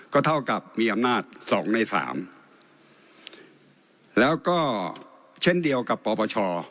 ก็เท่ากับมีอำนาจสองในสามแล้วก็เช่นเดียวกับปปช